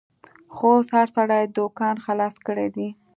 خو اوس هر سړي دوکان خلاص کړیدی